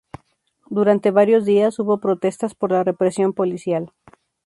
Durante varios días hubo protestas por la represión policial.